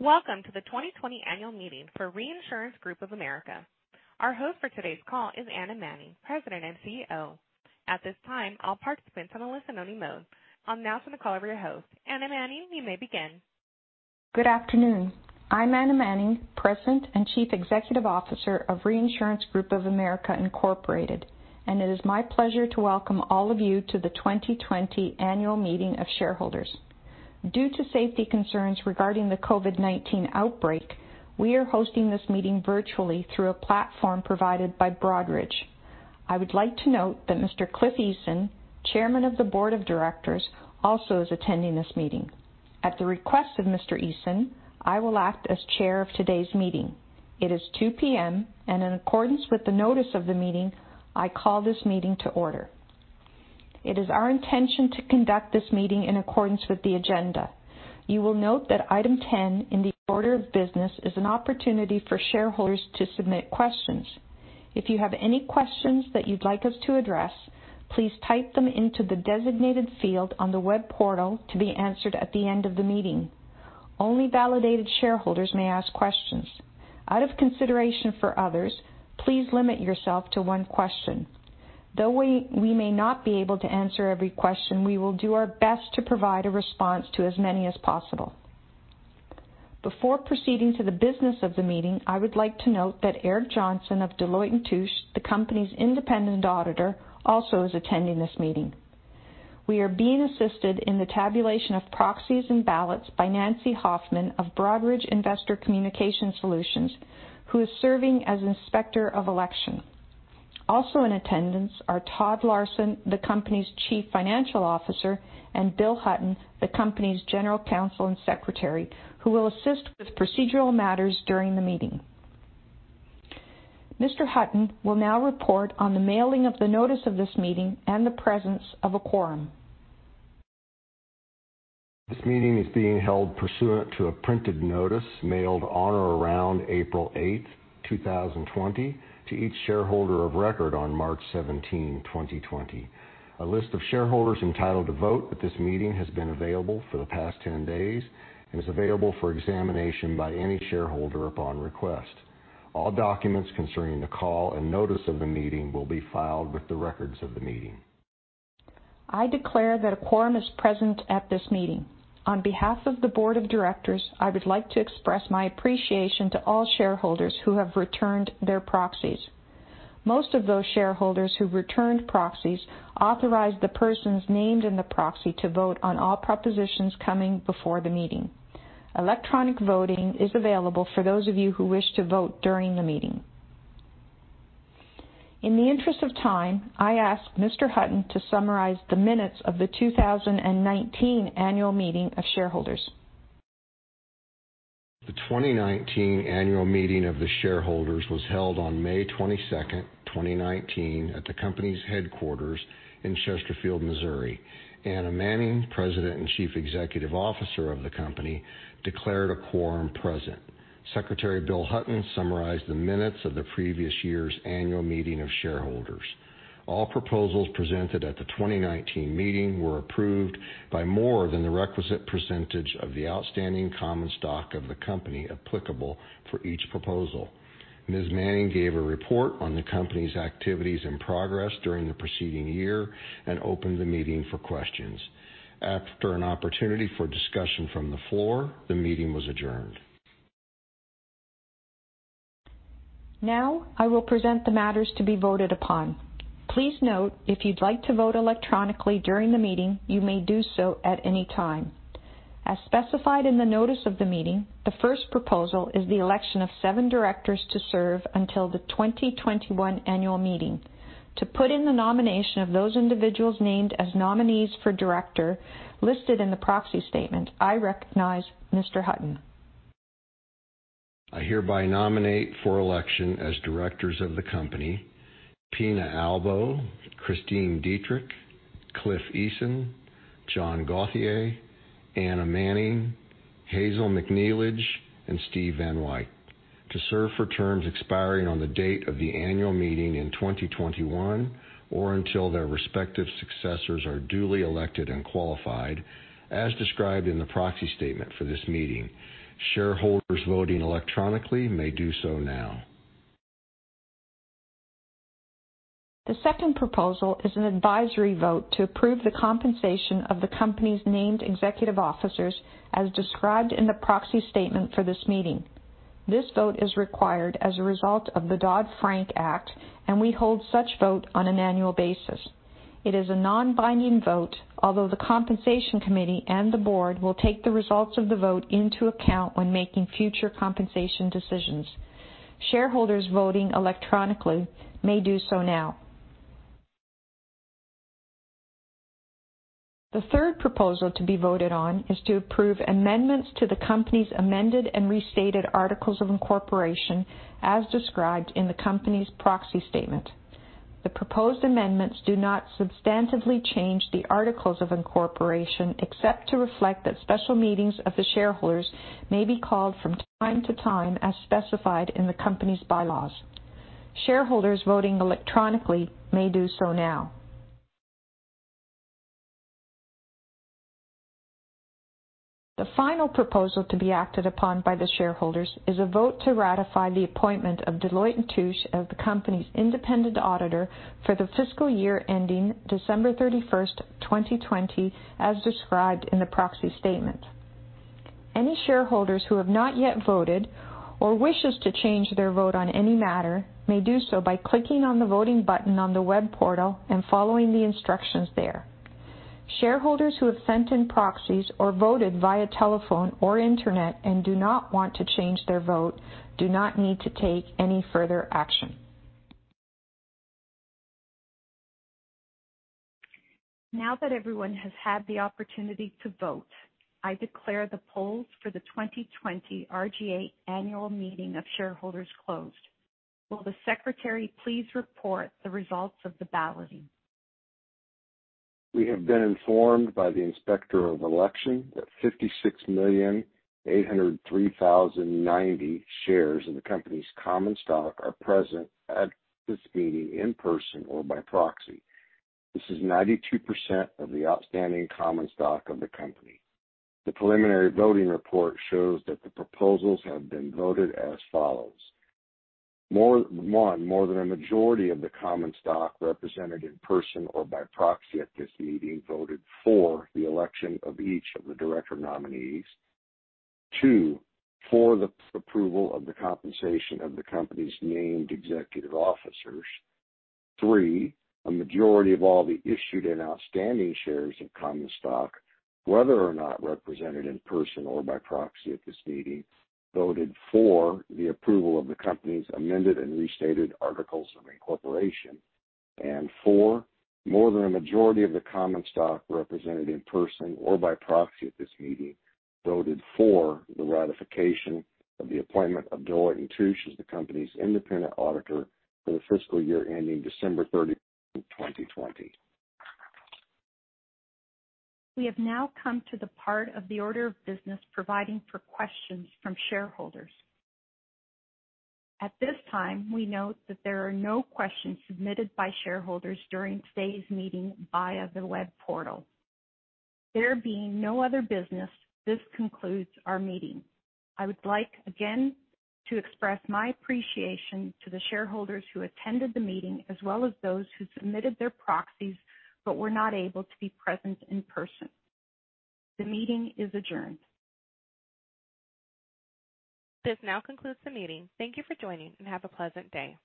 Welcome to the 2020 Annual Meeting for Reinsurance Group of America. Our host for today's call is Anna Manning, President and CEO. At this time, all participants are on a listen-only mode. I'll now turn the call over to your host. Anna Manning, you may begin. Good afternoon. I'm Anna Manning, President and Chief Executive Officer of Reinsurance Group of America, Incorporated, and it is my pleasure to welcome all of you to the 2020 Annual Meeting of Shareholders. Due to safety concerns regarding the COVID-19 outbreak, we are hosting this meeting virtually through a platform provided by Broadridge. I would like to note that Mr. Cliff Eason, Chairman of the Board of Directors, also is attending this meeting. At the request of Mr. Eason, I will act as chair of today's meeting. It is 2:00 P.M., and in accordance with the notice of the meeting, I call this meeting to order. It is our intention to conduct this meeting in accordance with the agenda. You will note that Item 10 in the order of business is an opportunity for shareholders to submit questions. If you have any questions that you'd like us to address, please type them into the designated field on the web portal to be answered at the end of the meeting. Only validated shareholders may ask questions. Out of consideration for others, please limit yourself to one question. Though we may not be able to answer every question, we will do our best to provide a response to as many as possible. Before proceeding to the business of the meeting, I would like to note that Eric Johnson of Deloitte & Touche, the company's independent auditor, also is attending this meeting. We are being assisted in the tabulation of proxies and ballots by Nancy Hoffman of Broadridge Investor Communication Solutions, who is serving as Inspector of Election. Also in attendance are Todd Larson, the company's Chief Financial Officer, and Bill Hutton, the company's General Counsel and Secretary, who will assist with procedural matters during the meeting. Mr. Hutton will now report on the mailing of the notice of this meeting and the presence of a quorum. This meeting is being held pursuant to a printed notice mailed on or around April 8th, 2020 to each shareholder of record on March 17, 2020. A list of shareholders entitled to vote at this meeting has been available for the past 10 days and is available for examination by any shareholder upon request. All documents concerning the call and Notice of the Meeting will be filed with the records of the meeting. I declare that a quorum is present at this meeting. On behalf of the board of directors, I would like to express my appreciation to all shareholders who have returned their proxies. Most of those shareholders who returned proxies authorized the persons named in the proxy to vote on all propositions coming before the meeting. Electronic voting is available for those of you who wish to vote during the meeting. In the interest of time, I ask Mr. Hutton to summarize the minutes of the 2019 Annual Meeting of Shareholders. The 2019 Annual Meeting of the Shareholders was held on May 22nd, 2019, at the company's headquarters in Chesterfield, Missouri. Anna Manning, President and Chief Executive Officer of the company, declared a quorum present. Secretary Bill Hutton summarized the minutes of the previous year's annual meeting of shareholders. All proposals presented at the 2019 meeting were approved by more than the requisite percentage of the outstanding common stock of the company applicable for each proposal. Ms. Manning gave a report on the company's activities and progress during the preceding year and opened the meeting for questions. After an opportunity for discussion from the floor, the meeting was adjourned. Now, I will present the matters to be voted upon. Please note, if you'd like to vote electronically during the meeting, you may do so at any time. As specified in the Notice of the Meeting, the first proposal is the election of seven directors to serve until the 2021 Annual Meeting. To put in the nomination of those individuals named as nominees for director listed in the proxy statement, I recognize Mr. Hutton. I hereby nominate for election as directors of the company, Pina Albo, Christine Detrick, Cliff Eason, John Gauthier, Anna Manning, Hazel McNeilage, and Steve Van Wyk to serve for terms expiring on the date of the Annual Meeting in 2021, or until their respective successors are duly elected and qualified as described in the proxy statement for this meeting. Shareholders voting electronically may do so now. The second proposal is an advisory vote to approve the compensation of the company's named executive officers as described in the proxy statement for this meeting. This vote is required as a result of the Dodd-Frank Act, and we hold such vote on an annual basis. It is a non-binding vote, although the Compensation Committee and the board will take the results of the vote into account when making future compensation decisions. Shareholders voting electronically may do so now. The third proposal to be voted on is to approve amendments to the company's amended and restated articles of incorporation, as described in the company's proxy statement. The proposed amendments do not substantively change the articles of incorporation except to reflect that special meetings of the shareholders may be called from time to time as specified in the company's bylaws. Shareholders voting electronically may do so now. The final proposal to be acted upon by the shareholders is a vote to ratify the appointment of Deloitte & Touche of the company's independent auditor for the fiscal year ending December 31st, 2020, as described in the proxy statement. Any shareholders who have not yet voted or wishes to change their vote on any matter may do so by clicking on the voting button on the web portal and following the instructions there. Shareholders who have sent in proxies or voted via telephone or internet and do not want to change their vote do not need to take any further action. Now that everyone has had the opportunity to vote, I declare the polls for the 2020 RGA Annual Meeting of Shareholders closed. Will the Secretary please report the results of the balloting? We have been informed by the Inspector of Election that 56,803,090 shares of the company's common stock are present at this meeting in person or by proxy. This is 92% of the outstanding common stock of the company. The preliminary voting report shows that the proposals have been voted as follows. One, More than a majority of the common stock represented in person or by proxy at this meeting voted for the election of each of the director nominees. Two, for the approval of the compensation of the company's named executive officers. Three, a majority of all the issued and outstanding shares of common stock, whether or not represented in person or by proxy at this meeting, voted for the approval of the company's amended and restated articles of incorporation. Four, more than a majority of the common stock represented in person or by proxy at this meeting voted for the ratification of the appointment of Deloitte & Touche as the company's independent auditor for the fiscal year ending December 31st, 2020. We have now come to the part of the order of business providing for questions from shareholders. At this time, we note that there are no questions submitted by shareholders during today's meeting via the web portal. There being no other business, this concludes our meeting. I would like, again, to express my appreciation to the shareholders who attended the meeting as well as those who submitted their proxies but were not able to be present in person. The meeting is adjourned. This now concludes the meeting. Thank you for joining, and have a pleasant day.